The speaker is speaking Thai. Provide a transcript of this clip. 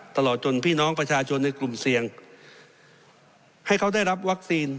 ตลอดจนพี่น้องประชาชนในกลุ่มเสี่ยงให้เขาได้รับวัคซีน